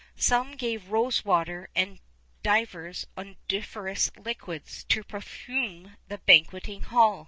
Some gave rose water and divers odoriferous liquids to perfume the banqueting hall.